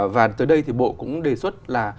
và tới đây thì bộ cũng đề xuất là